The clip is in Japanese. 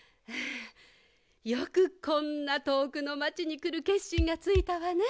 よくこんなとおくのまちにくるけっしんがついたわね。